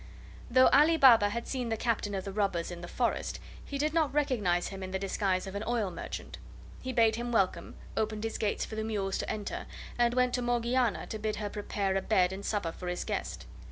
Though Ali Baba had seen the Captain of the robbers in the forest, he did not recognize him in the disguise of an oil merchant. He bade him welcome, opened his gates for the mules to enter, and went to Morgiana to bid her prepare a bed and supper for his guest.